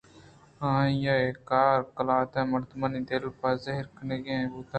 آئی ءِکار قلات ءِ مردمانی دل ءَ پہ زہرءُکینگ بوتگ